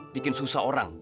bikin susah orang